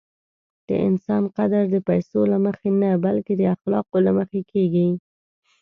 د انسان قدر د پیسو له مخې نه، بلکې د اخلاقو له مخې کېږي.